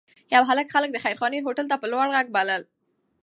یو هلک خلک د خیرخانې هوټل ته په لوړ غږ بلل.